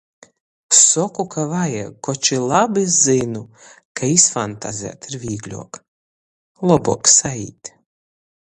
Soku, ka vajag, koč i labi zynu, ka izfantazēt ir vīgļuok. lobuok saīt.